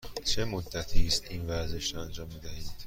چه مدت است این ورزش را انجام می دهید؟